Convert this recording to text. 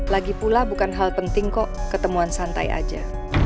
lagi pula bukan hal penting kok ketemuan santai aja